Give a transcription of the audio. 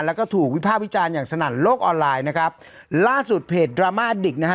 แล้วก็ถูกวิภาควิจารณ์อย่างสนั่นโลกออนไลน์นะครับล่าสุดเพจดราม่าดิกนะฮะ